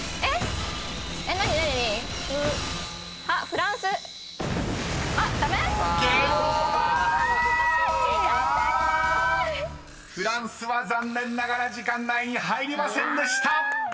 ［「フランス」は残念ながら時間内に入りませんでした！］